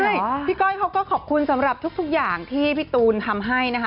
ใช่พี่ก้อยเขาก็ขอบคุณสำหรับทุกอย่างที่พี่ตูนทำให้นะคะ